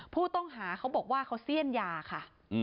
ผู้ต้องหาเขาบอกว่าเขาเสี้ยนยาค่ะ